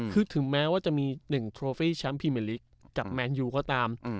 คือถึงแม้ว่าจะมี๑โทเฟร์ชัมพีเมริกกับแมนยูเขาตาม